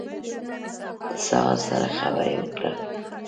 د سهار سره خبرې وکړه